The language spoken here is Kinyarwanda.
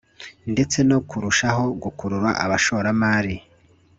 ndetse no kurushaho gukurura abashoramari